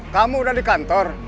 kamu udah di kantor